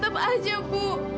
tapi tetap saja ibu